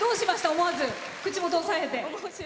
思わず、口元を押さえて。